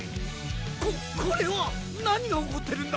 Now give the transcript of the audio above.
ここれは何が起こってるんだね